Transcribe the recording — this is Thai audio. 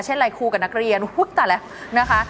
เช่นอะไรครูกับนักเรียนอุ๊ยแต่ละนะคะ